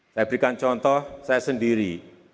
saya berikan contoh saya sendiri